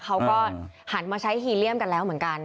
เขาก็หันมาใช้ฮีเลียมกันแล้วเหมือนกัน